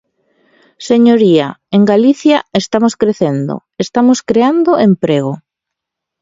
Señoría, en Galicia estamos crecendo, estamos creando emprego.